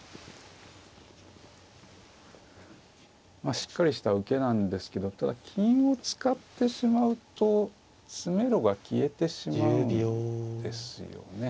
まあしっかりした受けなんですけどただ金を使ってしまうと詰めろが消えてしまうんですよね。